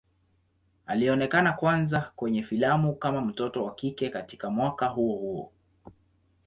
Alionekana kwanza kwenye filamu kama mtoto wa kike katika mwaka huo huo.